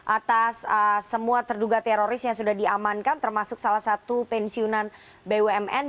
atas semua terduga teroris yang sudah diamankan termasuk salah satu pensiunan bumn